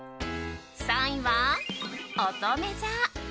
３位は、おとめ座。